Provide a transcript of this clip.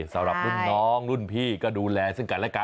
สำหรับรุ่นน้องรุ่นพี่ก็ดูแลซึ่งกันและกัน